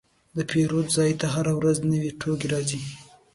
د پیرود ځای ته هره ورځ نوي توکي راځي.